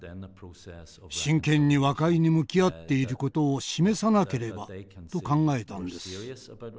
真剣に和解に向き合っていることを示さなければと考えたんです。